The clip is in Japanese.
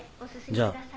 じゃあ。